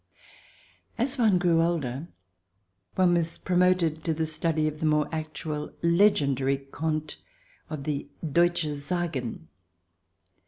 As one grew older, one was promoted to the study of the more actual, legendary conies of the " Deutsche Sagen."